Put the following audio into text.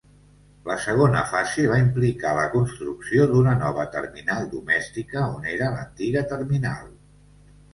La segona fase va implicar la construcció d'una nova terminal domèstica on era l'antiga terminal.